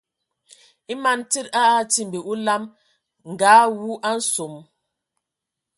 E man tsid a atimbi a olam nga awū a nsom.